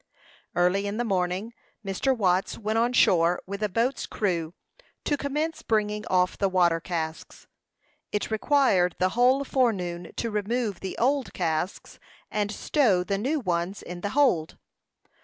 Early in the morning Mr. Watts went on shore with a boat's crew, to commence bringing off the water casks. It required the whole forenoon to remove the old casks, and stow the new ones in the hold.